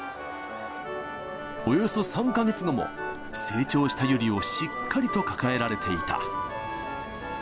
およそ３か月後も、成長した由莉をしっかりと抱えられていた。